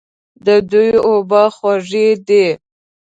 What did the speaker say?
د دوی اوبه خوږې دي.